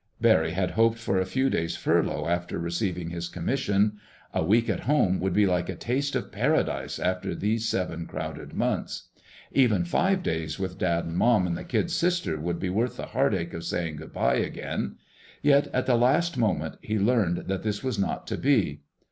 Barry had hoped for a few days' furlough after receiving his commission. A week at home would be like a taste of paradise after these seven crowded months. Even five days with Dad and Mom and the kid sister would be worth the heartache of saying good by again. Yet, at the last moment, he learned that this was not to be.